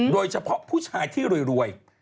โดยเฉพาะผู้ชายที่รวย